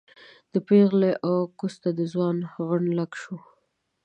د پېغلې و کوس ته د ځوان غڼ لک شوی